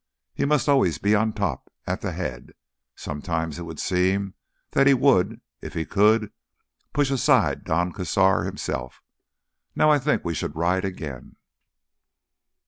He must always be on top, at the head. Sometimes it would seem that he would, if he could, push aside Don Cazar himself.... Now I think we should ride again."